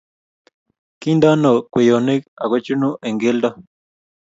Kintoon kweyonik aku chunu eng' keldo